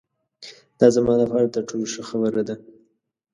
دا زما له پاره تر ټولو ښه خبره ده.